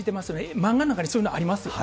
漫画の中にそういうのありますよね。